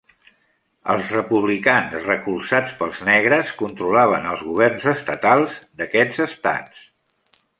Els republicans recolzats pels negres controlaven els governs estatals d'aquests estats.